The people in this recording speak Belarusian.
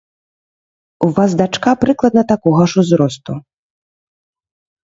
У вас дачка прыкладна такога ж узросту.